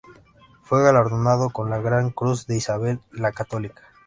Fue galardonado con la Gran Cruz de Isabel la Católica.